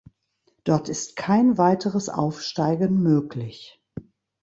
Dort ist kein weiteres Aufsteigen möglich.